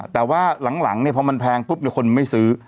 แต่ว่าหลังเพราะมันแพงเพราะมีคนไม่ซื้อ